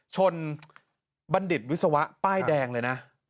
บัณฑิตวิศวะป้ายแดงเลยนะ